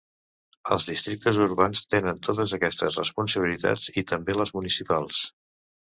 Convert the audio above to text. Els districtes urbans tenen totes aquestes responsabilitats i també les municipals.